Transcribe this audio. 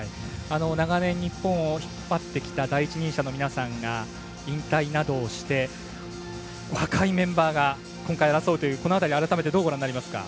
長年日本を引っ張ってきた第一人者の皆さんが引退などをして若いメンバーが今回争うという今回、改めてどうご覧になりますか？